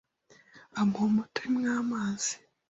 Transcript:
amauha umti urimo amazi.